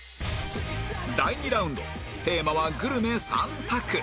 第２ラウンドテーマはグルメ３択